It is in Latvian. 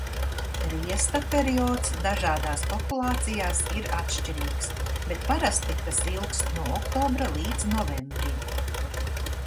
Riesta periods dažādās populācijās ir atšķirīgs, bet parasti tas ilgst no oktobra līdz novembrim.